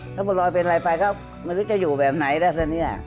ถ้าบัวลอยเป็นอะไรไปก็ไม่รู้จะอยู่แบบไหนแล้วซะเนี่ย